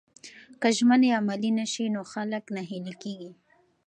که ژمنې عملي نسي نو خلک ناهیلي کیږي.